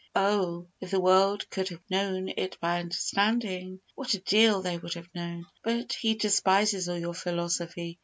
Oh! if the world could have known it by understanding, what a deal they would have known. But He despises all your philosophy.